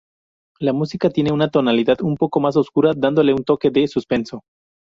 La música tiene una tonalidad un poco más oscura dándole un toque de suspenso.